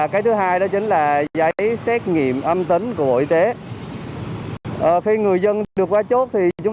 cái thứ hai đó chính là giấy xét nghiệm âm tính của bộ y tế khi người dân được qua chốt thì chúng